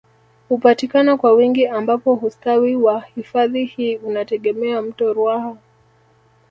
Hupatikana kwa wingi ambapo hustawi wa hifadhi hii unategemea mto ruaha